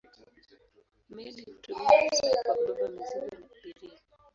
Meli hutumiwa hasa kwa kubeba mizigo na abiria.